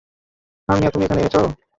আর মিয়া তুমি এখানে এনেছ!